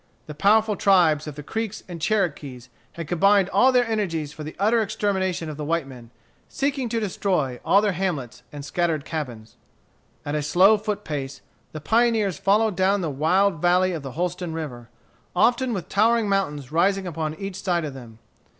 The powerful tribes of the Creeks and Cherokees had combined all their energies for the utter extermination of the white men, seeking to destroy all their hamlets and scattered cabins. At a slow foot pace the pioneers followed down the wild valley of the Holston River, often with towering mountains rising upon each side of them.